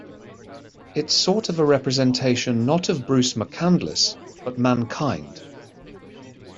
It's sort of a representation not of Bruce McCandless, but mankind.